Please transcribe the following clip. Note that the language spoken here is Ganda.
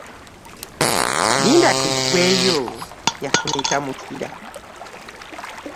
Linda kigweyo yafumita mukira .